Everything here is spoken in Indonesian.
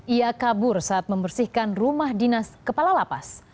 ia kabur saat membersihkan rumah dinas kepala lapas